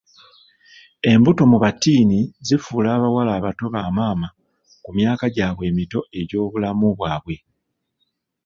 Embuto mu battiini zifuula abawala abato ba maama ku myaka gyabwe emito egy'obulamu bwabwe.